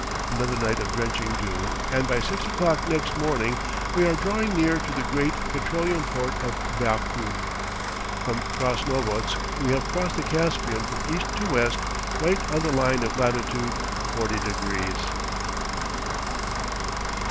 Another night of drenching dew, and by six o'clock next morning we are drawing near to the great petroleum port of Baku. From Krasnovodsk we have crossed the Caspian from east to west right on the line of latitude 40 deg. CHAPTER XIII.